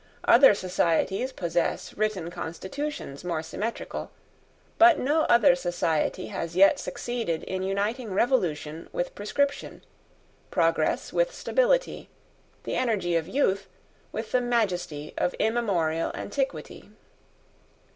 Other societies possess written constitutions more symmetrical. But no other society has yet succeeded in uniting revolution with prescription, progress with stability, the energy of youth with the majesty of immemorial antiquity.